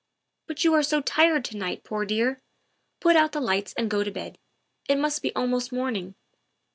But you are so tired to night, poor dear ! Put out the lights and go to bed; it must be almost morning.